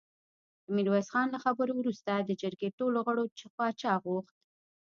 د ميرويس خان له خبرو وروسته د جرګې ټولو غړو پاچا غوښت.